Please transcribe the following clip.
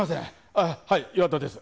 ああはい岩田です。